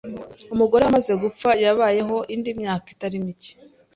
Umugore we amaze gupfa, yabayeho indi myaka itari mike.